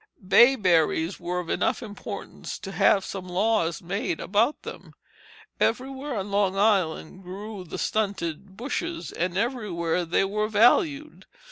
Bayberries were of enough importance to have some laws made about them. Everywhere on Long Island grew the stunted bushes, and everywhere they were valued.